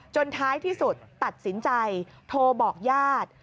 ท้ายที่สุดตัดสินใจโทรบอกญาติ